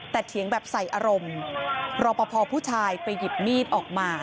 แต่เถียงแบบใส่อารมณ์รอปภผู้ชายไปหยิบมีดออกมา